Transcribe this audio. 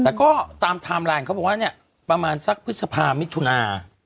แต่ก็ตามไทม์ไลน์เขาบอกว่าเนี่ยประมาณสักพฤษภามิถุนา